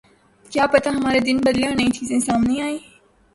کیا پتا ہمارے دن بدلیں اور نئی چیزیں سامنے آئیں۔